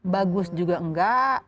bagus juga enggak